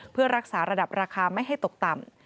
เพื่อรักษาระดับราคาไม่ให้ตกต่ำ